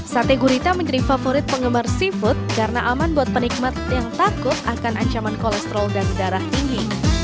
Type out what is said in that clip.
sate gurita menjadi favorit penggemar seafood karena aman buat penikmat yang takut akan ancaman kolesterol dan darah tinggi